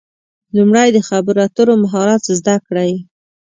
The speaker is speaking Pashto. لومړی د خبرو اترو مهارت زده کړئ.